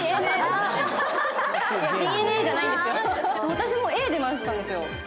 私もＡで迷ったんですよ。